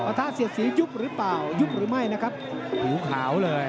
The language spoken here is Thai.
ทะเสียดสียุบหรือเปล่ายุบหรือไม่นะครับผิวขาวเลย